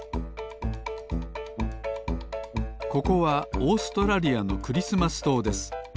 ここはオーストラリアのクリスマスとうです。